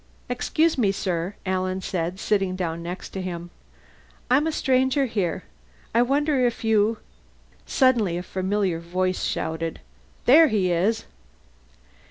"Excuse me, sir," Alan said, sitting down next to him. "I'm a stranger here. I wonder if you " Suddenly a familiar voice shouted, "There he is!"